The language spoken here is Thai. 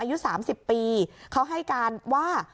อายุสามสิบปีเขาให้การว่า